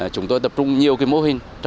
chúng tôi tập trung nhiều mô hình